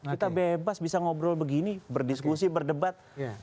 kita bebas bisa ngobrol begini berdiskusi berdebat